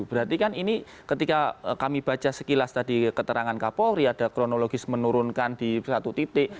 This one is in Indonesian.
berarti kan ini ketika kami baca sekilas tadi keterangan kapolri ada kronologis menurunkan di satu titik